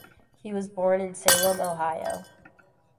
He was born in Salem, Ohio.